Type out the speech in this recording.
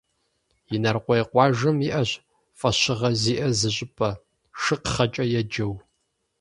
Инарыкъуей къуажэм иӏэщ фӏэщыгъэ зиӏэ зы щӏыпӏэ, «Шыкхъэкӏэ» еджэу.